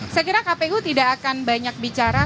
saya kira kpu tidak akan banyak bicara